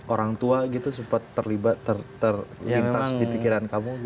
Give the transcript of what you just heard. orang tua gitu sempat terlibat terlintas di pikiran kamu